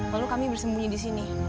lalu kami bersembunyi di sini